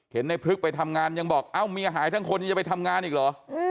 เห็นในพลึกไปทำงานยังบอกเอ้าเมียหายทั้งคนยังจะไปทำงานอีกเหรอ